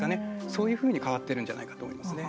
そういうふうに変わってるんじゃないかと思いますね。